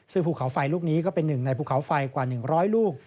ซึ่งภูเขาไฟลูกนี้ก็เป็นหนึ่งในภูเขาไฟกว่า๑๐๐ลูก